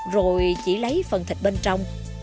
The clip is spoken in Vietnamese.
rồi chỉ lấy phần thịt bên trong